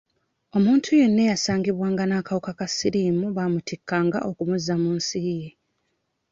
Omuntu yenna eyasangibwanga n'akawuka ka siriimu baamutikkanga okumuzza mu nsi ye.